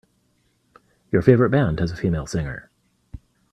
Your favorite band has a female singer.